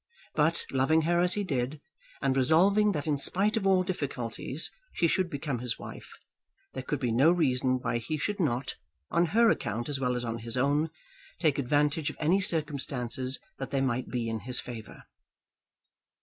But, loving her as he did, and resolving that in spite of all difficulties she should become his wife, there could be no reason why he should not, on her account as well as on his own, take advantage of any circumstances that there might be in his favour.